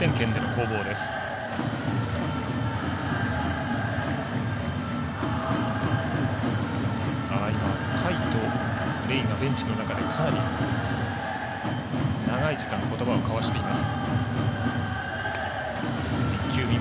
甲斐とレイがベンチの中でかなり長い時間ことばを交わしています。